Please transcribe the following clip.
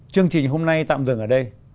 chương trình hôm nay tạm dừng ở đây